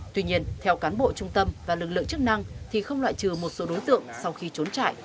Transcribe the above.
tuy nhiên theo cán bộ trung tâm và lực lượng chức năng thì không loại trừ một số đối tượng sau khi trốn chạy